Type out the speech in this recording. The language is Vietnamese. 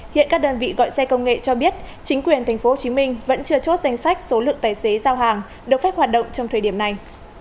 hiện các đơn vị gọi xe công nghệ cho biết chính quyền tp hcm vẫn chưa chốt danh sách số lượng tài xế giao hàng được phép hoạt động trong thời điểm này